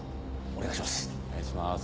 お願いします。